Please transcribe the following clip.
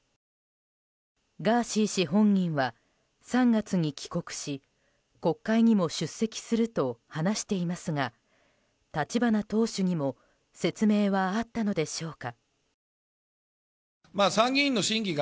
ガーシー氏本人は３月に帰国し国会にも出席すると話していますが立花党首にも説明はあったのでしょうか。